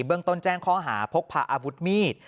เบื้องต้นแจ้งข้อหาพกพาอาวุธมีด